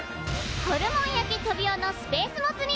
ホルモン焼きトビオのスペースモツ煮！